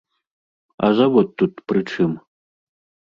А завод тут пры чым?